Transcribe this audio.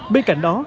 bên cạnh đó